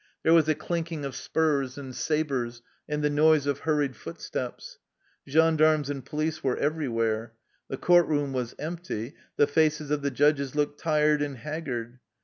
There was a clinking of spurs and sabers and the noise of hurried foot steps. Gendarmes and police were everywhere. The court room was empty. The faces of the judges looked tired and haggard.